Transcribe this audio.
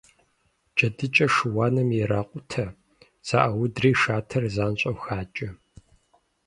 Джэдыкӏэ шыуаным иракъутэ, зэӏаудри шатэр занщӏэу хакӏэ.